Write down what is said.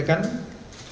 yang kita duga dia adalah